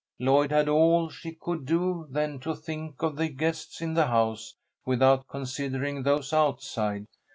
Lloyd had all she could do then to think of the guests in the house, without considering those outside.